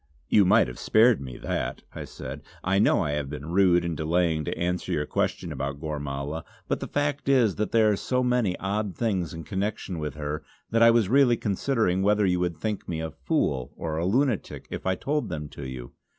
"You might have spared me that!" I said "I know I have been rude in delaying to answer your question about Gormala; but the fact is that there are so many odd things in connection with her that I was really considering whether you would think me a fool or a lunatic if I told them to you.